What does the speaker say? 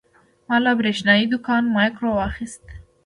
ما له برېښنايي دوکانه مایکروویو واخیست.